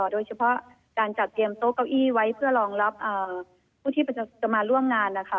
โดยเฉพาะการจัดเตรียมโต๊ะเก้าอี้ไว้เพื่อรองรับผู้ที่จะมาร่วมงานนะคะ